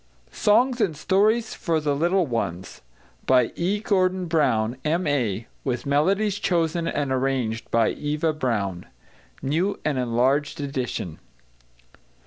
=Songs and Stories for the Little Ones= By E. GORDON BROWNE, M.A. With Melodies chosen and arranged by EVA BROWNE. New and Enlarged Edition.